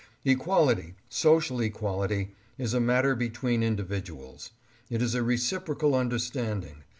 Equality, social equality, is a matter between individuals. It is a reciprocal understanding.